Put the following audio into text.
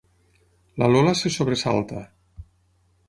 La Lola se sobresalta.